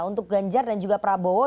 untuk ganjar dan juga prabowo